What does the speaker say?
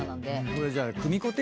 これじゃあ。